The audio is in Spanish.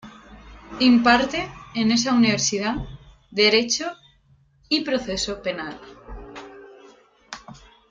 Imparte, en esa universidad, Derecho y Proceso Penal.